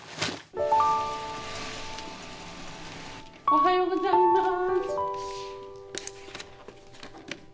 おはようございます。